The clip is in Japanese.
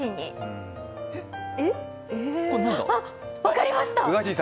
あ、分かりました。